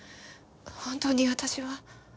本当に私は。